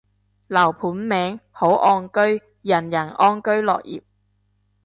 樓盤名，好岸居，人人安居樂業